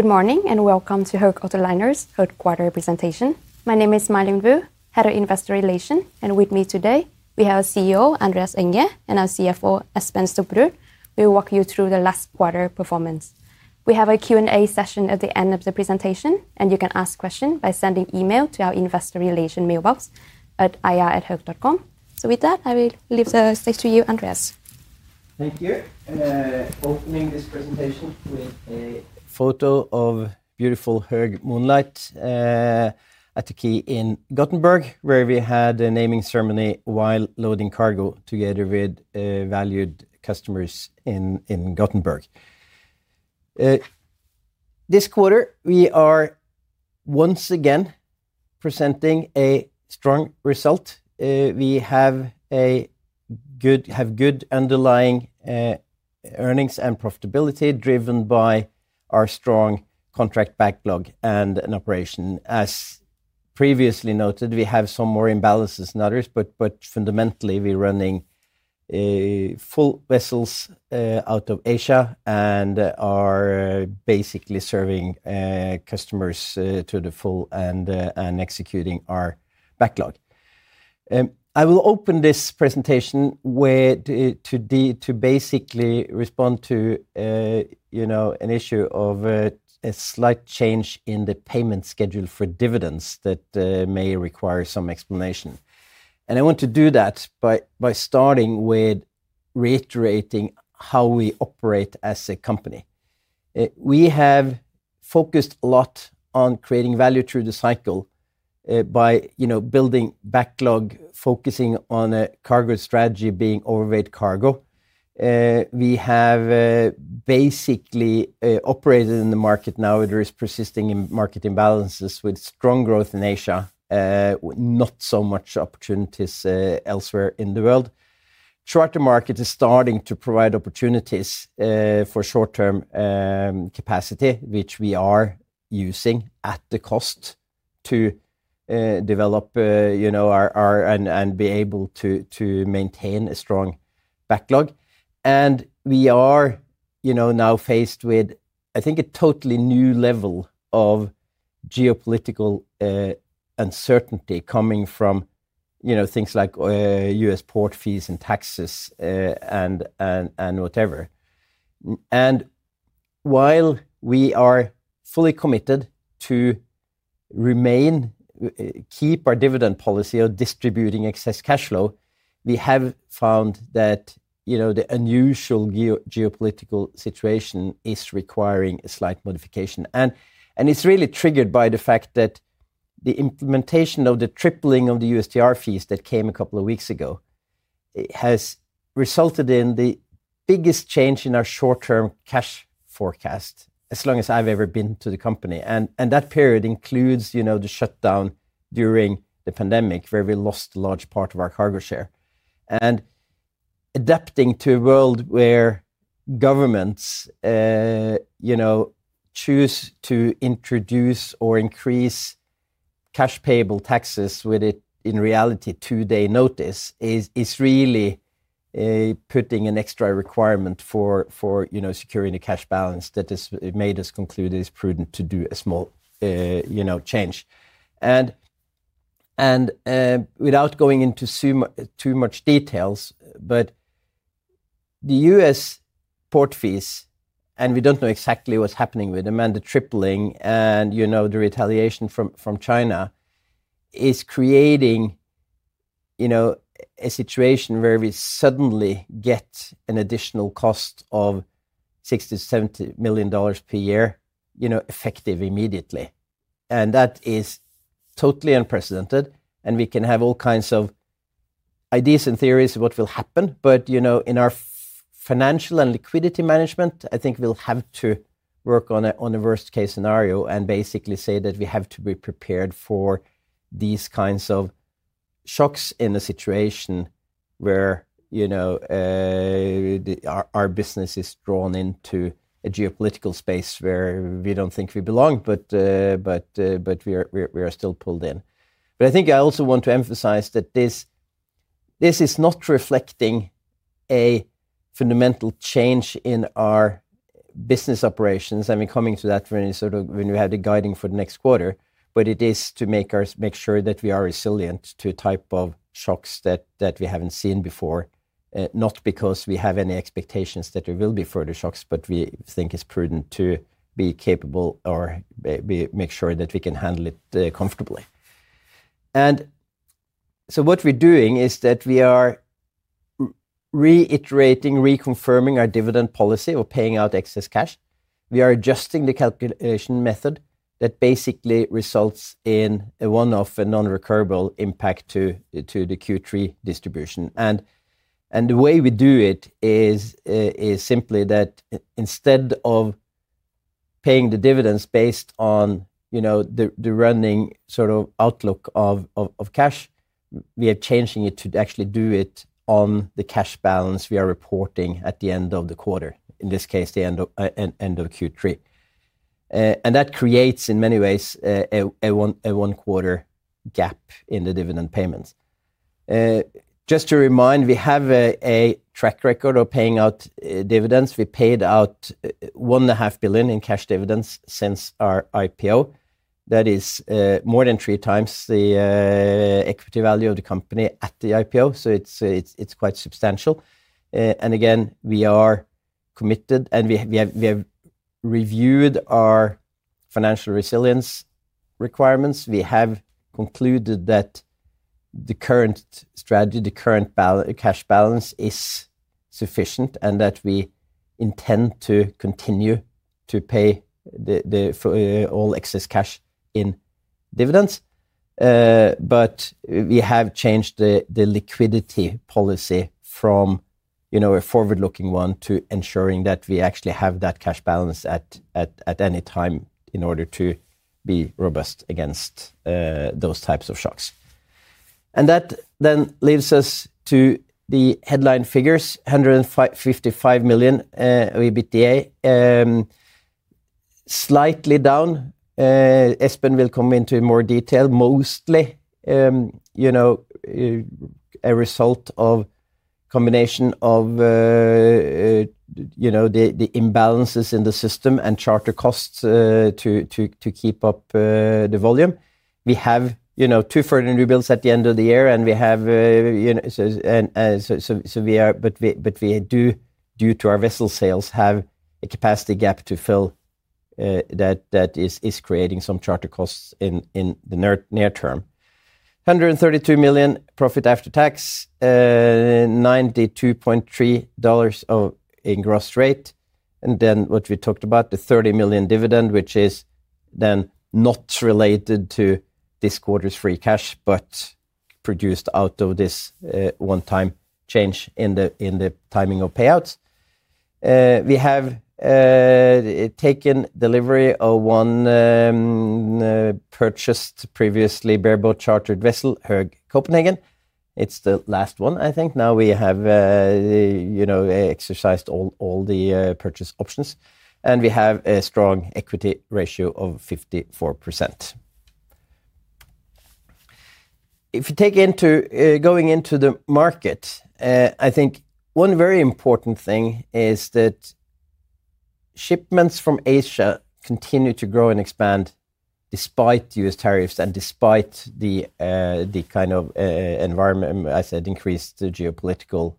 Good morning and welcome to Höegh Autoliners' third quarter presentation. My name is My Linh Vu, Head of Investor Relations, and with me today we have our CEO Andreas Enger and our CFO Espen Stubberud. We'll walk you through the last quarter performance. We have a Q&A session at the end of the presentation, and you can ask questions by sending email to our investor relations mailbox at ir@hoegh.com. With that, I will leave the stage to you, Andreas. Thank you. Opening this presentation with a photo of beautiful Höegh Moonlight at the quay in Gothenburg where we had a naming ceremony while loading cargo together with valued customers in Gothenburg this quarter, we are once again presenting a strong result. We have good underlying earnings and profitability driven by our strong contract backlog and an operation. As previously noted, we have some more imbalances than others, but fundamentally we're running full vessels out of Asia and are basically serving customers to the full and executing our backlog. I will open this presentation to basically respond to an issue of a slight change in the payment schedule for dividends that may require some explanation. I want to do that by starting with reiterating how we operate as a company. We have focused a lot on creating value through the cycle by building backlog, focusing on a cargo strategy, being overweight cargo, we have basically operated in the market. Now there are persisting market imbalances with strong growth in Asia, not so much opportunities elsewhere in the world. Charter market is starting to provide opportunities for short term capacity which we are using at the cost to develop and be able to maintain a strong backlog. We are now faced with, I think, a totally new level of geopolitical uncertainty coming from things like U.S. port fees and taxes and whatever. While we are fully committed to remain, keep our dividend policy of distributing excess cash flow, we have found that the unusual geopolitical situation is requiring a slight modification. It's really triggered by the fact that the implementation of the tripling of the USTR fees that came a couple of weeks ago has resulted in the biggest change in our short term cash forecast as long as I've ever been to the company. That period includes the shutdown during the pandemic where we lost a large part of our cargo share. Adapting to a world where governments choose to introduce or increase cash payable taxes with, in reality, two day notice is really putting an extra requirement for securing a cash balance that made us conclude it is prudent to do a small change. Without going into too much detail, the U.S. port fees, and we don't know exactly what's happening with them, and the tripling and the retaliation from China is creating a situation where we suddenly get an additional cost of $60 to $70 million per year effective immediately. That is totally unprecedented. We can have all kinds of ideas and theories of what will happen. In our financial and liquidity management, I think we'll have to work on a worst case scenario and basically say that we have to be prepared for these kinds of shocks in a situation where our business is drawn into a geopolitical space where we don't think we belong, but we are still pulled in. I also want to emphasize that this is not reflecting a fundamental change in our business operations. I mean, coming to that when we have the guiding for the next quarter. It is to make us make sure that we are resilient to types of shocks that we haven't seen before, not because we have any expectations that there will be further shocks, but we think it's prudent to be capable or make sure that we can handle it comfortably. What we're doing is that we are reiterating, reconfirming our dividend policy of paying out excess cash. We are adjusting the calculation method that basically results in a one-off and nonrecurrable impact to the Q3 distribution. The way we do it is simply that instead of paying the dividends based on the running outlook of cash, we are changing it to actually do it on the cash balance we are reporting at the end of the quarter, in this case the end of Q3. That creates in many ways a one quarter gap in the dividend payments. Just to remind, we have a track record of paying out dividends. We paid out NOK $1.5 billion in cash dividends since our IPO. That is more than three times the equity value of the company at the IPO. It is quite substantial. Again, we are committed and we have reviewed our financial resilience requirements. We have concluded that the current strategy, the current cash balance is sufficient and that we intend to continue to pay all excess cash in dividends. We have changed the liquidity policy from a forward looking one to ensuring that we actually have that cash balance at any time in order to be robust against those types of shocks. That then leaves us to the headline figures, $155 million EBITDA, slightly down. Espen will come into more detail. Mostly, a result of a combination of the imbalances in the system and charter costs to keep up the volume. We have two further newbuilds at the end of the year and due to our vessel sales have a capacity gap to fill that is creating some charter costs in the near term. $132 million profit after tax, $92.3 million of in gross rate. What we talked about, the $30 million dividend, which is then not related to this quarter's free cash but produced out of this one-time change in the timing of payouts. We have taken delivery of one purchased, previously bareboat chartered vessel, Höegh Copenhagen. It's the last one. I think now we have exercised all the purchase options, and we have a strong equity ratio of 54% if you take into going into the market. One very important thing is that shipments from Asia continue to grow and expand despite U.S. tariffs and despite the kind of environment I said, increased geopolitical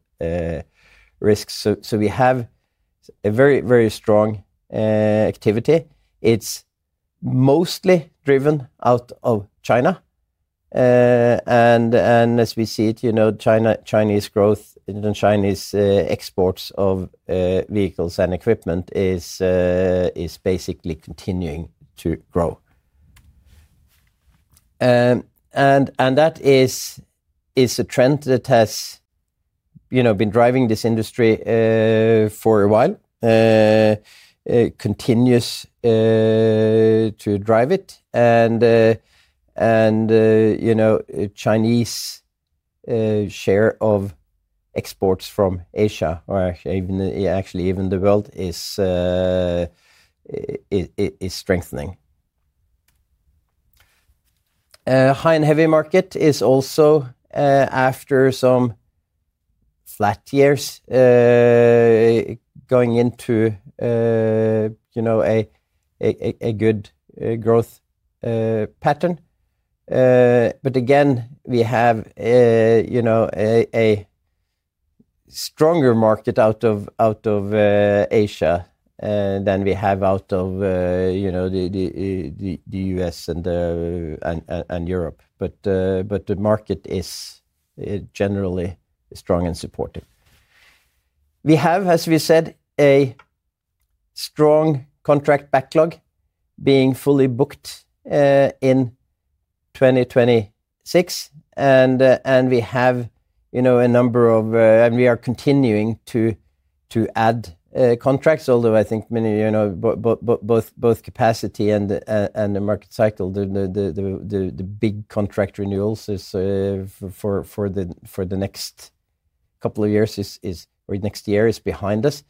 risks. We have a very, very strong activity. It's mostly driven out of China, and as we see it, Chinese growth and Chinese exports of vehicles and equipment is basically continuing to grow. That is a trend that has been driving this industry for a while, continues to drive it, and Chinese share of exports from Asia or even actually even the world is strengthening. High and heavy market is also, after some flat years, going into a good growth pattern. We have a stronger market out of Asia and then we have out of the U.S. and Europe. The market is generally strong and supportive. We have, as we said, a strong contract backlog being fully booked in 2026. We are continuing to add contracts, although I think many, both capacity and the market cycle. The big contract renewals for the next couple of years or next year is behind us.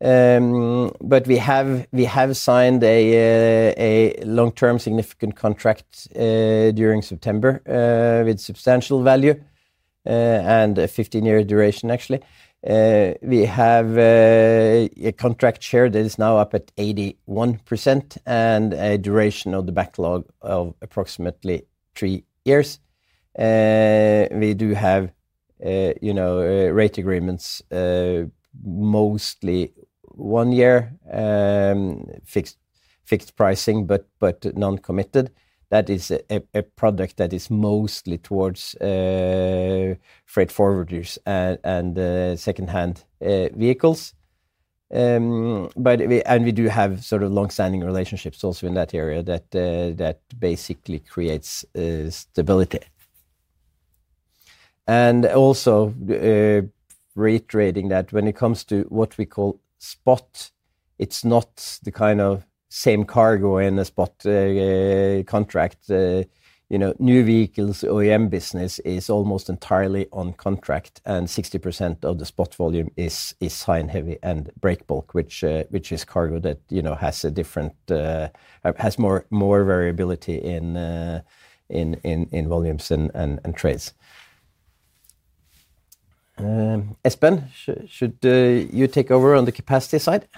We have signed a long-term significant contract during September with substantial value and a 15-year duration. Actually, we have a contract share that is now up at 81% and a duration of the backlog of approximately three years. We do have rate agreements, mostly one-year fixed pricing but non-committed. That is a product that is mostly towards freight forwarders and second-hand vehicles. We do have sort of long-standing relationships also in that area. That basically creates stability. Also reiterating that when it comes to what we call spot, it's not the kind of same cargo in a spot contract. New vehicles, OEM business is almost entirely on contract, and 60% of the spot volume is high and heavy and breakbulk, which is cargo that has more variability in volumes and trades. Espen, should you take over on the capacity side?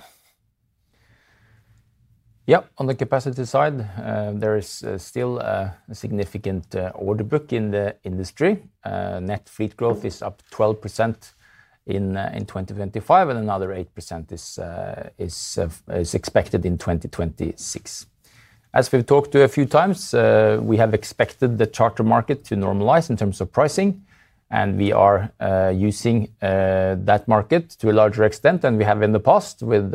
On the capacity side, there is still a significant orderbook in the industry. Net fleet growth is up 12% in 2025, and another 8% is expected in 2026. As we've talked to a few times, we have expected the charter market to normalize in terms of pricing, and we are using that market to a larger extent than we have in the past. With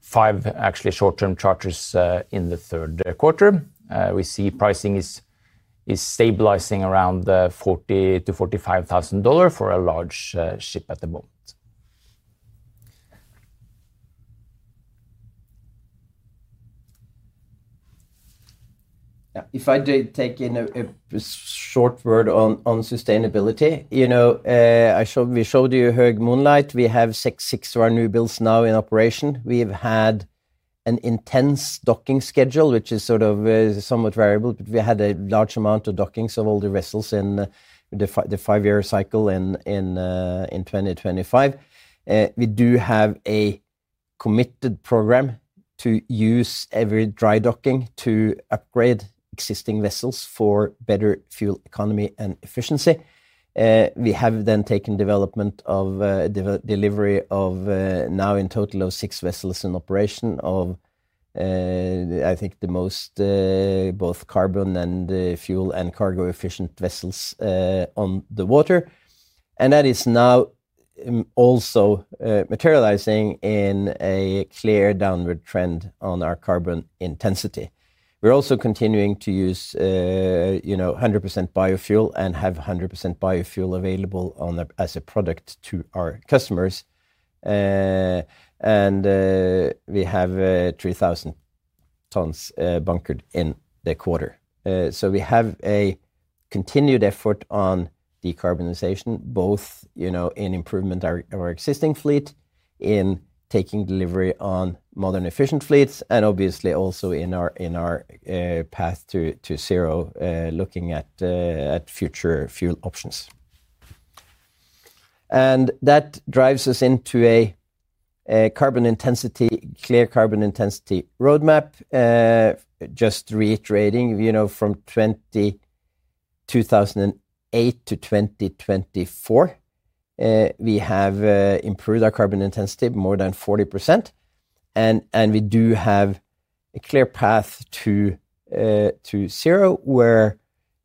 five actually short-term charters in the third quarter, we see pricing is stabilizing around $40,000 to $45,000 for a large ship at the moment. If I take in a short word on sustainability, you know I showed, we showed you Höegh Moonlight. We have six newbuilds now in operation. We have had an intense docking schedule, which is sort of somewhat variable, but we had a large amount of dockings of all the vessels in the five-year cycle in 2025. We do have a committed program to use every dry docking to upgrade existing vessels for better fuel economy and efficiency. We have then taken delivery of now in total 6 vessels in operation of, I think, the most both carbon and fuel and cargo efficient vessels on the water. That is now also materializing in a clear downward trend on our carbon intensity. We're also continuing to use 100% biofuel and have 100% biofuel available as a product to our customers, and we have 3,000 tons bunkered in the quarter. We have a continued effort on decarbonization both in improvement of our existing fleet, in taking delivery on modern efficient fleets, and obviously also in our path to zero looking at future fuel options. That drives us into a carbon intensity, clear carbon intensity roadmap. Just reiterating, from 2008 to 2024 we have improved our carbon intensity more than 40%, and we do have a clear path to zero where,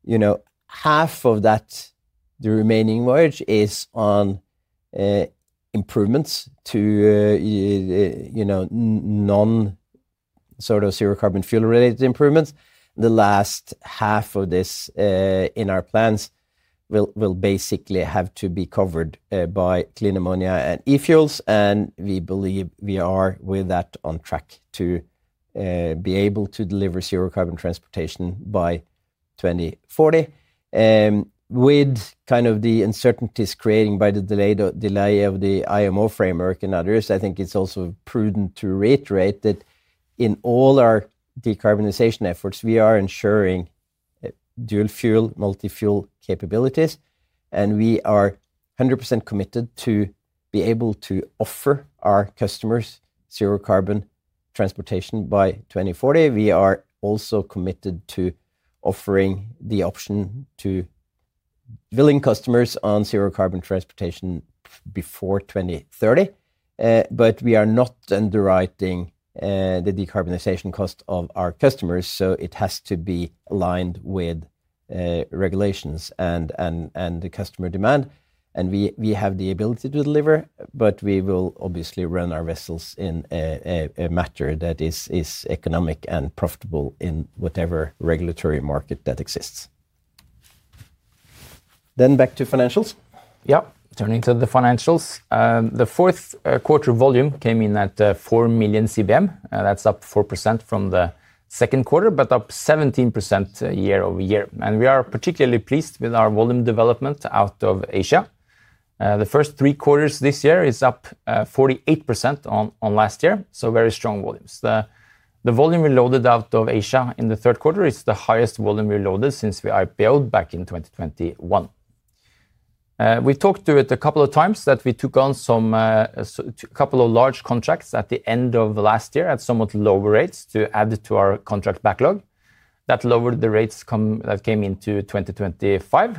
you know, half of the remaining voyage is on improvements to, you know, non-zero carbon fuel related improvements. The last half of this in our plans will basically have to be covered by clean ammonia and E-fuels. We believe we are with that on track to be able to deliver zero-carbon transportation by 2040, with kind of the uncertainties created by the delay of the IMO framework and others. I think it's also prudent to reiterate that in all our decarbonization efforts we are ensuring dual-fuel, multi-fuel capabilities, and we are 100% committed to be able to offer our customers zero-carbon transportation by 2040. We are also committed to offering the option to billing customers on zero-carbon transportation before 2030. We are not underwriting the decarbonization cost of our customers, so it has to be aligned with regulations and the customer demand, and we have the ability to deliver. We will obviously run our vessels in a manner that is economic and profitable in whatever regulatory market that exists. Back to financials. Yeah. Turning to the financials, the fourth quarter volume came in at 4 million CBM. That's up 4% from the second quarter, but up 17% year over year. We are particularly pleased with our volume development out of Asia. The first three quarters this year is up 48% on last year, so very strong volumes. The volume we loaded out of Asia in the third quarter is the highest volume we loaded since we IPO'd back in 2021. We've talked to it a couple of times that we took on a couple of large contracts at the end of last year at somewhat lower rates to add to our contract backlog that lowered the rates that came into 2025.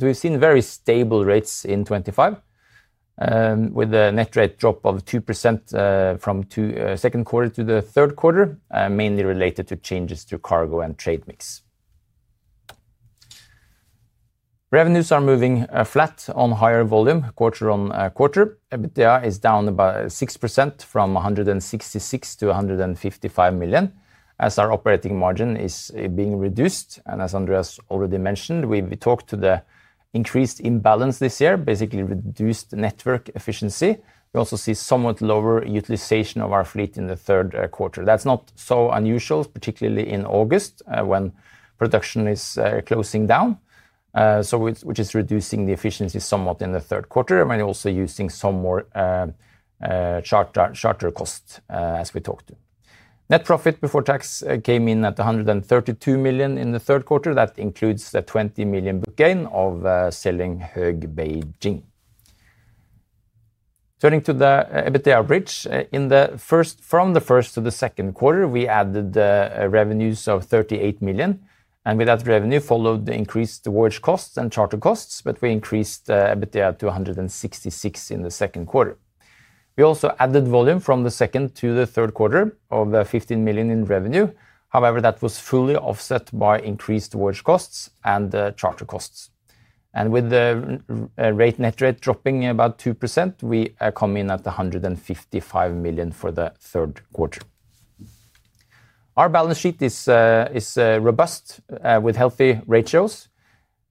We've seen very stable rates in 2025 with a net rate drop of 2% from second quarter to the third quarter, mainly related to changes to cargo and trade mix. Revenues are moving flat on higher volume quarter on quarter. EBITDA is down about 6% from $166 million to $155 million as our operating margin is being reduced and as Andreas already mentioned, we talked to the increased imbalance this year basically reduced network efficiency. We also see somewhat lower utilization of our fleet in the third quarter. That's not so unusual, particularly in August when production is closing down, which is reducing the efficiency somewhat in the third quarter. Also using some more charter costs. As we talked to, net profit before tax came in at $132 million in the third quarter. That includes the $20 million book gain of selling HÖEGH BEIJING. Turning to the EBITDA bridge from the first to the second quarter, we added revenues of $38 million, and with that revenue followed the increased voyage costs and charter costs, but we increased EBITDA to $166 million in the second quarter. We also added volume from the second to third quarter, $15 million in revenue. However, that was fully offset by increased voyage costs and charter costs, and with the net rate dropping about 2%, we come in at $155 million for the third quarter. Our balance sheet is robust with healthy ratios.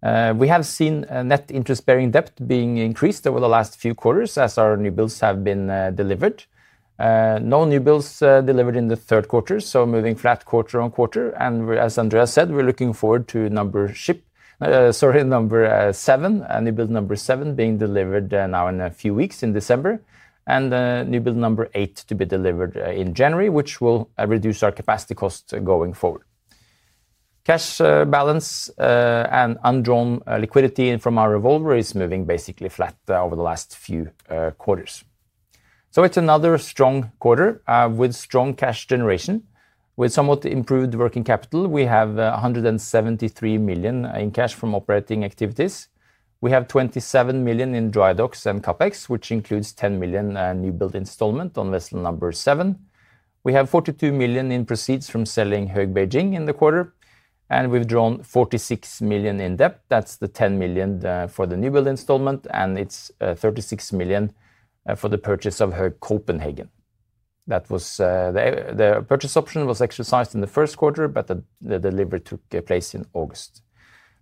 We have seen net interest bearing debt being increased over the last few quarters as our newbuilds have been delivered. No newbuilds delivered in the third quarter, so moving flat quarter on quarter and as Andreas said, we're looking forward to number seven, newbuild number seven being delivered now in a few weeks in December and newbuild number eight to be delivered in January, which will reduce our capacity costs going forward. Cash balance and undrawn liquidity from our revolver is moving basically flat over the last few quarters. It's another strong quarter with strong cash generation with somewhat improved working capital. We have $173 million in cash from operating activities. We have $27 million in dry docks and CapEx, which includes $10 million newbuild installments on vessel number seven. We have $42 million in proceeds from selling HÖEGH BEIJING in the quarter, and we've drawn $46 million in debt. That's the $10 million for the newbuild installment, and it's $36 million for the purchase of Höegh Copenhagen. The purchase option was exercised in the first quarter, but the delivery took place in August.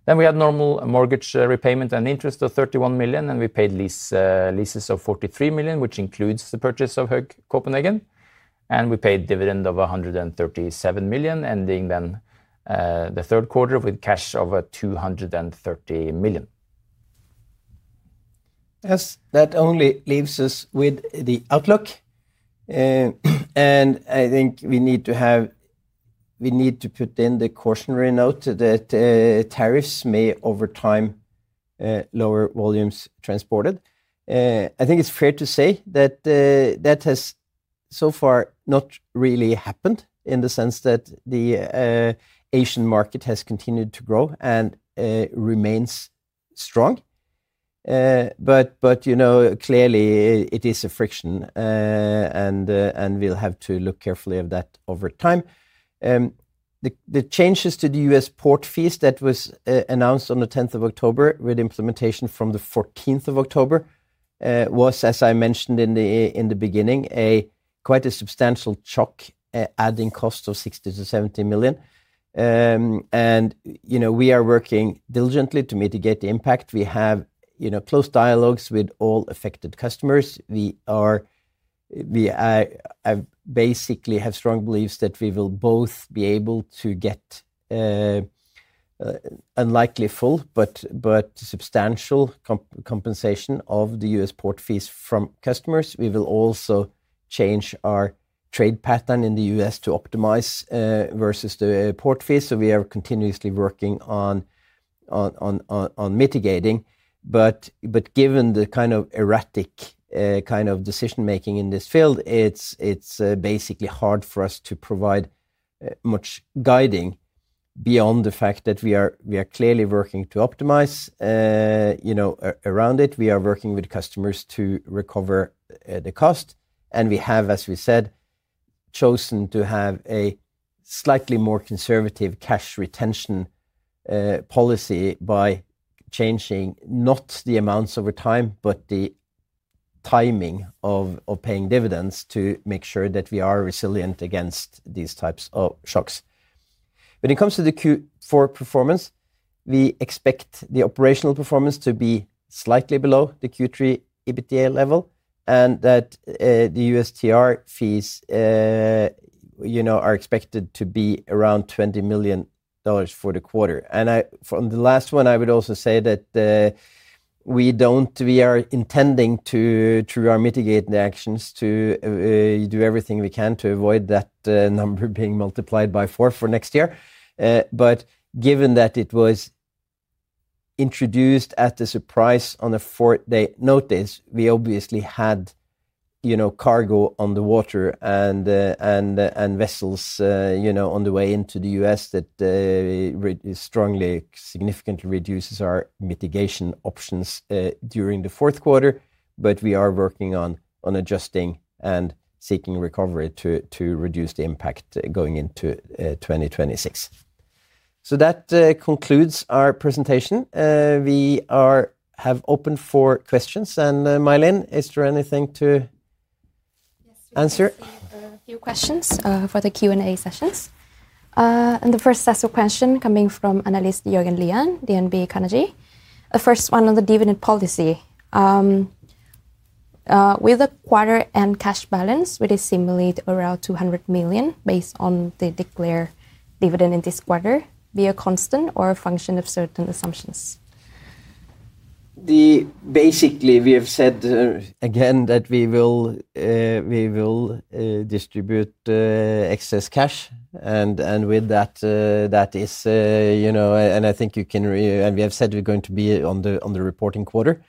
We had normal mortgage repayment and interest of $31 million, and we paid leases of $43 million, which includes the purchase of Copenhagen, and we paid dividend of $137 million, ending the third quarter with cash of $230 million. That only leaves us with the outlook, and I think we need to put in the cautionary note that tariffs may over time lower volumes transported. I think it's fair to say that that has so far not really happened in the sense that the Asian market has continued to grow and remains strong. Clearly, it is a friction, and we'll have to look carefully at that over time. The changes to the U.S. port fees that were announced on October 10 with implementation from October 14 were, as I mentioned in the beginning, quite a substantial shock, adding cost of $60 to $70 million. We are working diligently to mitigate the impact. We have close dialogues with all affected customers. We basically have strong beliefs that we will both be able to get, unlikely full but substantial, compensation of the U.S. port fees from customers. We will also change our trade pattern in the U.S. to optimize versus the portfolio. We are continuously working on mitigating, but given the kind of erratic decision making in this field, it's basically hard for us to provide much guiding beyond the fact that we are clearly working to optimize around it. We are working with customers to recover the cost, and we have, as we said, chosen to have a slightly more conservative cash retention policy by changing not the amounts over time but the timing of paying dividends to make sure that we are resilient against these types of shocks. When it comes to the Q4 performance, we expect the operational performance to be slightly below the Q3 EBITDA level and that the U.S. TR fees are expected to be around $20 million for the quarter. The last one I would also say is that we are intending to, through our mitigating actions, do everything we can to avoid that number being multiplied by four for next year. Given that it was introduced as a surprise on a four-day notice, we obviously had cargo on the water and vessels on the way into the U.S. That strongly, significantly reduces our mitigation options during the fourth quarter. We are working on adjusting and seeking recovery to reduce the impact going into 2026. That concludes our presentation. We have open for questions, and My Linh, is there anything to answer? A few. Questions for the Q and A sessions and the first question coming from analyst Yeogan Lian, DNB Kanoji, the first one on the dividend policy with a quarter-end cash balance which is similarly around $200 million, based on the declared dividend in this quarter via constant or a function of certain assumptions. Basically, we have said again that we will distribute excess cash, and with that, I think you can, and we have said we're going to be on the reporting quarter.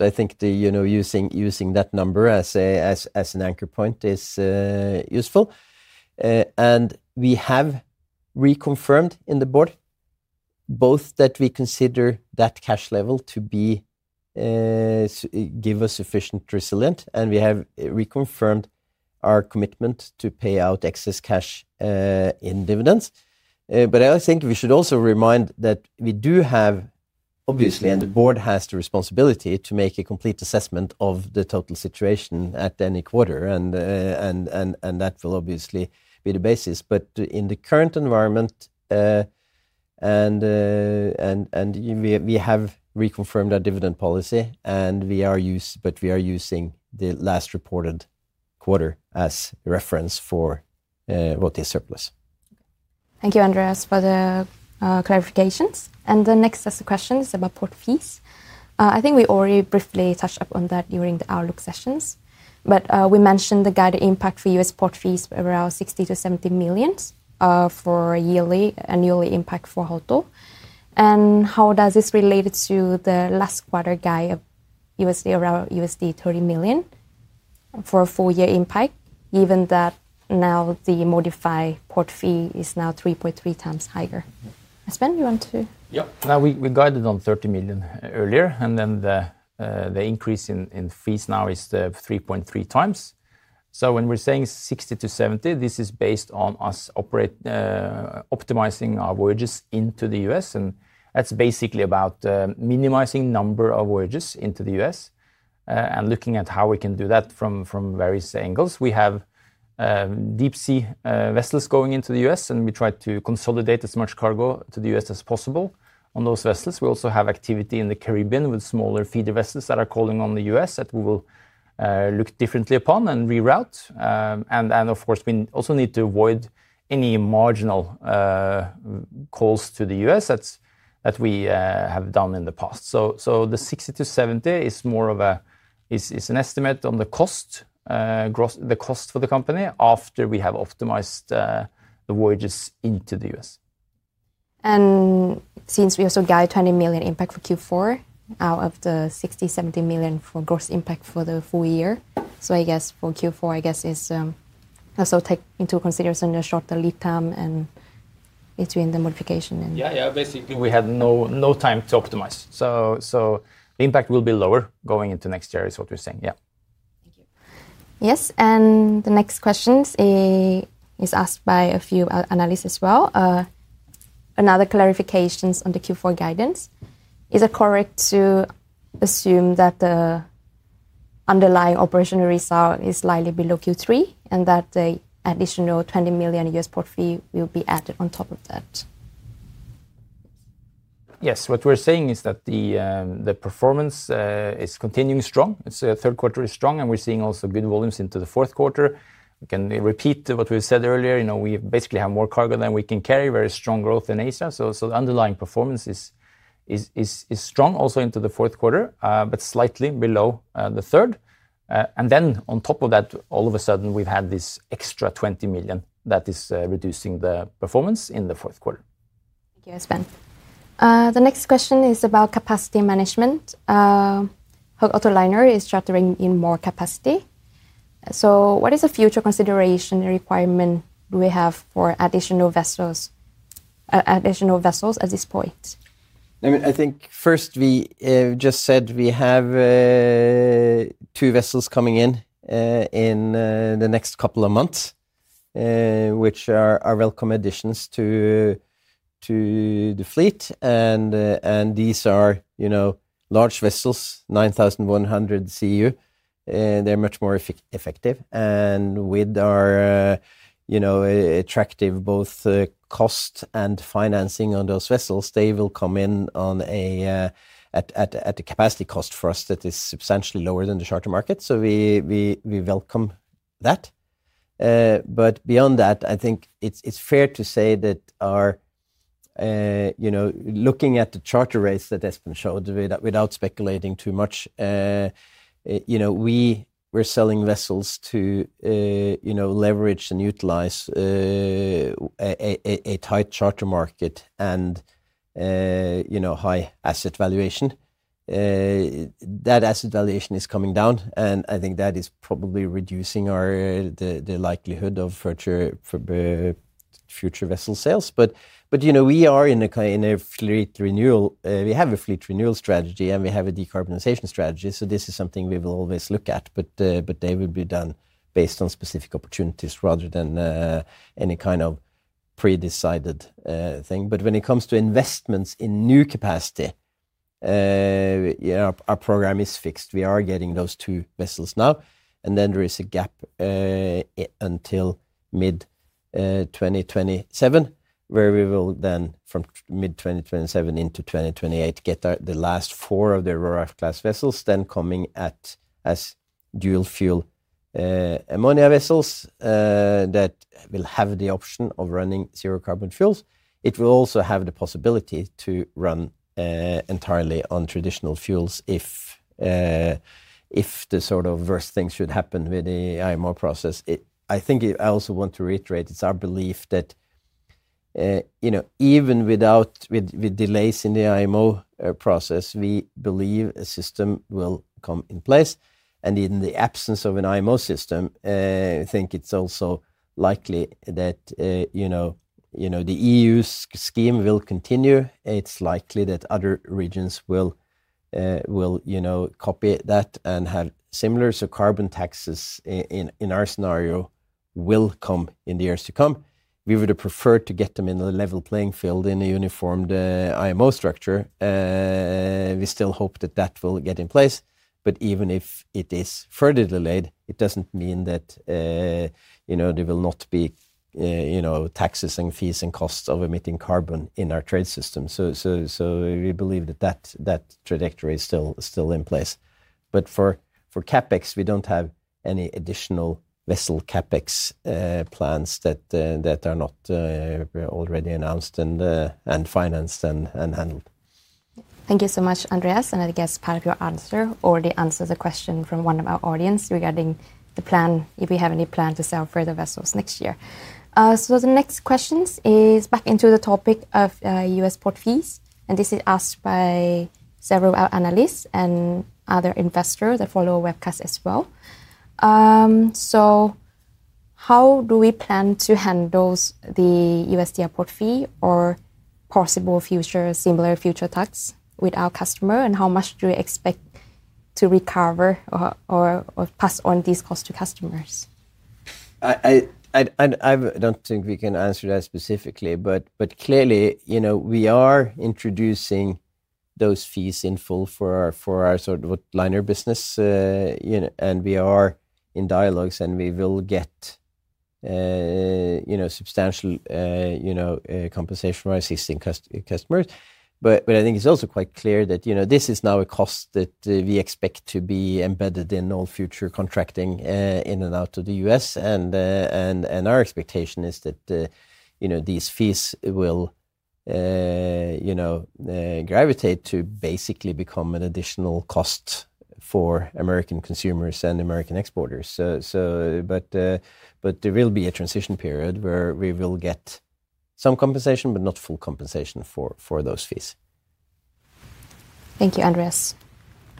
I think using that number as an anchor point is useful, and we have reconfirmed in the board both that we consider that cash level to give us sufficient resilience, and we have reconfirmed our commitment to pay out excess cash in dividends. I think we should also remind that we do have, obviously, and the board has the responsibility to make a complete assessment of the total situation at any quarter, and that will obviously be the basis. In the current environment, we have reconfirmed our dividend policy, but we are using the last reported quarter as reference for what is surplus. Thank you, Andreas, for the clarifications. The next question is about port fees. I think we already briefly touched upon that during the outlook sessions, but we mentioned the guided impact for U.S. port fees around $60 to $70 million for yearly annually impact for Höegh. How does this relate to the last quarter guide, USD around $30 million for a full year impact, given that now the modified port fee is now 3.3 times higher. Espen, you want to. Yeah. Now we guided on $30 million earlier, and then the increase in fees now is 3.3 times. When we're saying $60 to $70 million, this is based on us optimizing our voyages into the U.S., and that's basically about minimizing number of voyages into the U.S. and looking at how we can do that from various angles. We have deep sea vessels going into the U.S., and we try to consolidate as much cargo to the U.S. as possible on those vessels. We also have activity in the Caribbean with smaller feeder vessels that are calling on the U.S. that we will look differently upon and reroute. Of course, we also need to avoid any marginal calls to the U.S. that we have done in the past. The $60 to $70 million is an estimate on the cost for the company after we have optimized the voyages into the U.S. Since we also got $20 million impact for Q4 out of the $60-70 million for gross impact for the full year, I guess for Q4 I guess is also take into consideration the shorter lead time and between the modification. Basically, we had no time to optimize. The impact will be lower going into next year, is what you're saying. Yeah. Thank you. Yes. The next question is asked by a few analysts as well. Another clarification on the Q4 guidance. Is it correct to assume that the underlying operational result is slightly below Q3 and that the additional $20 million U.S. port fee will be added on top of that? Yes. What we're saying is that the performance is continuing strong, third quarter is strong, and we're seeing also good volumes into the fourth quarter. We can repeat what we said earlier. We basically have more cargo than we can carry. Very strong growth in Asia. The underlying performance is strong also into the fourth quarter, but slightly below the third. On top of that, all of a sudden we've had this extra $20 million that is reducing the performance in the fourth quarter. Thank you, Espen. The next question is about capacity management. Höegh Autoliners is chartering in more capacity. What is the future consideration requirement? Do we have for additional vessels? Additional vessels at this point? I think first we just said we have two vessels coming in in the next couple of months, which are welcome additions to the fleet. These are, you know, large vessels, 9,100 cu. They're much more effective, and with our, you know, attractive both cost and financing on those vessels, they will come in at a capacity cost for us that is substantially lower than the charter market. We welcome that. Beyond that, I think it's fair to say that, you know, looking at the charter rates that Espen showed, without speculating too much, we were selling vessels to, you know, leverage and utilize a tight charter market and, you know, high asset valuation. That asset valuation is coming down, and I think that is probably reducing the likelihood of future vessel sales. You know, we are in a kind of fleet renewal. We have a fleet renewal strategy, and we have a decarbonization strategy. This is something we will always look at, but they will be done based on specific opportunities rather than any kind of pre-decided thing. When it comes to investments in new capacity, yeah, our program is fixed. We are getting those two vessels now, and then there is a gap until mid-2027, where we will then from mid-2027 into 2028 get the last four of the Aurora class vessels, then coming as dual-fuel ammonia vessels that will have the option of running zero-carbon fuels. It will also have the possibility to run entirely on traditional fuels if the sort of worst things should happen with the IMO process. I think I also want to reiterate it's our belief that even without delays in the IMO process, we believe a system will come in place, and in the absence of an IMO system, I think it's also likely that the EU's scheme will continue. It's likely that other regions will copy that and have similar, so carbon taxes in our scenario will come in the years to come. We would have preferred to get them in the level playing field in a uniformed IMO structure. We still hope that that will get in place. Even if it is further delayed, it doesn't mean that there will not be taxes and fees and costs of emitting carbon in our trade system. We believe that trajectory is still in place. For capex, we don't have any additional vessel capex plans that are not already announced and financed and handled. Thank you so much, Andreas. I guess part of your answer already addressed a question from one of our audience regarding the plan if we have any plan to sell further vessels next year. The next question is back to the topic of U.S. port fees, and this is asked by several analysts and other investors that follow the webcast as well. How do we plan to handle the U.S. port fee or possible similar future tax with our customer, and how much do we expect to recover or pass on these costs to customers? I don't think we can answer that specifically, but clearly we are introducing those fees in full for our sort of liner business, and we are in dialogues and we will get substantial compensation from our existing customers. I think it's also quite clear that this is now a cost that we expect to be embedded in all future contracting in and out of the U.S., and our expectation is that these fees will gravitate to basically become an additional cost for American consumers and American exporters. There will be a transition period where we will get some compensation, but not full compensation for those fees. Thank you, Andreas.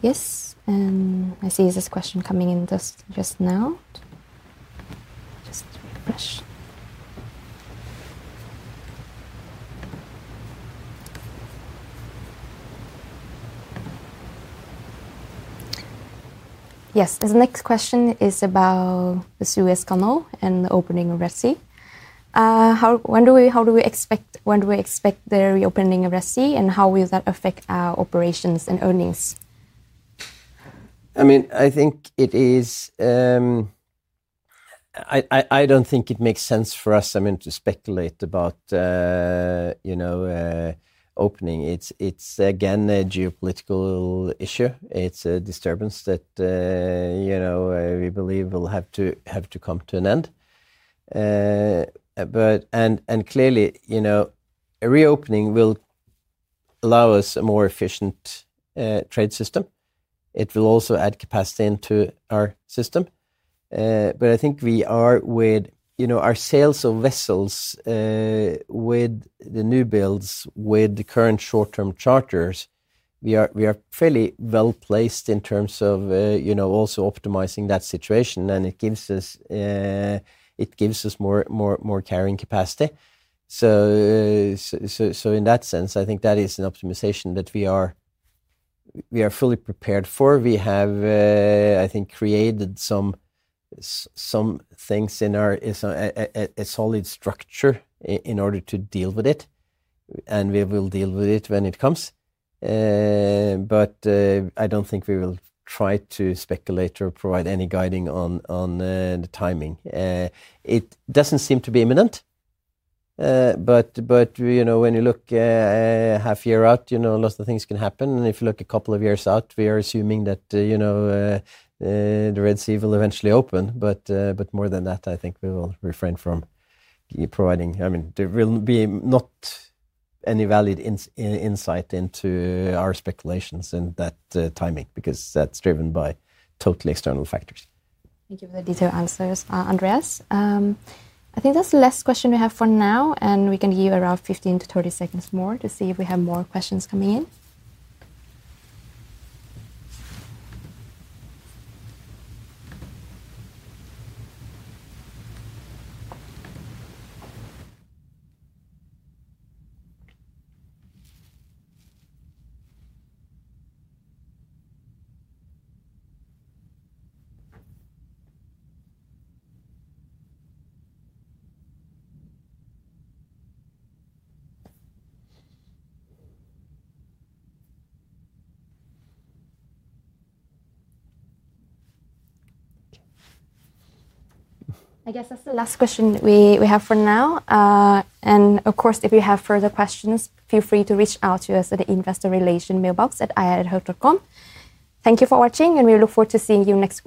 Yes, I see this question coming in just now. Yes, this next question is about the Suez Canal and the opening of Red Sea. When do we expect the reopening of Red Sea and how will that affect our operations and earnings? I think it is, I don't think it makes sense for us to speculate about opening. It's again a geopolitical issue. It's a disturbance that we believe will have to come to an end. Clearly, a reopening will allow us a more efficient trade system. It will also add capacity into our system. I think we are, with our sales of vessels, with the newbuilds, with the current short term charters, fairly well placed in terms of also optimizing that situation, and it gives us more carrying capacity. In that sense, I think that is an optimization that we are fully prepared for. I think we have created some things in our solid structure in order to deal with it, and we will deal with it when it comes. I don't think we will try to speculate or provide any guiding on the timing. It doesn't seem to be imminent. When you look half year out, lots of things can happen, and if you look a couple of years out, we are assuming that the Red Sea will eventually open. More than that, I think we will refrain from providing. There will not be any valid insight into our speculations in that timing because that's driven by total external factors. Thank you for the detailed answers, Andreas. I think that's the last question we have for now. We can give around 15 to 30 seconds more to see if we have more questions coming in. I guess that's the last question we have for now. Of course, if you have further questions, please feel free to reach out to us at the Investor Relations mailbox at iadhurb.com. Thank you for watching and we look forward to seeing you. Next question.